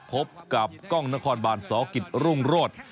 พบกับกล้องนครบานสกิจรุ่งโรธ